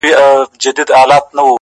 o ستا دهر توري په لوستلو سره ـ